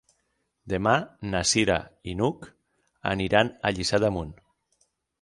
Demà na Cira i n'Hug aniran a Lliçà d'Amunt.